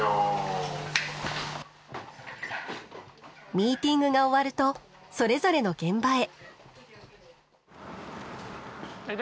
ミーティングが終わるとそれぞれの現場へ。